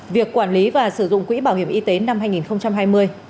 việc quản lý và sử dụng quỹ bảo hiểm y tế năm hai nghìn hai mươi